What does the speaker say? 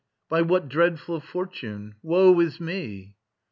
By what dreadful fortune? Woe is me!